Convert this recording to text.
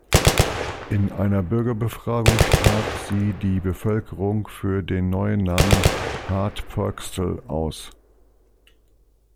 In einer Bürgerbefragung sprach sie die Bevölkerung für den neuen Namen "Hart-Purgstall" aus.